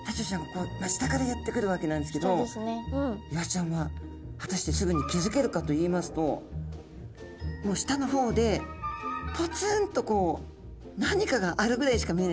ここ下からやって来るわけなんですけどイワシちゃんは果たしてすぐに気付けるかといいますともう下の方でぽつんとこう何かがあるぐらいしか見えないと思うんですね。